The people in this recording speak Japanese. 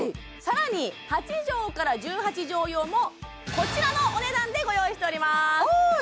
さらに８畳から１８畳用もこちらのお値段でご用意しております